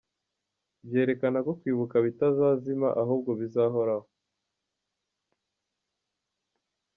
Byerekana ko kwibuka bitazazima ahubwo bizahoraho.